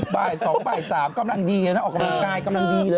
บ่าย๒บ่าย๓กำลังดีออกมาที่ใกล้กำลังดี